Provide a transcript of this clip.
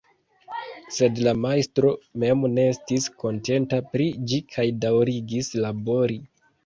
Sed la majstro mem ne estis kontenta pri ĝi kaj daŭrigis labori.